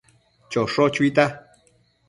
Chosho chuita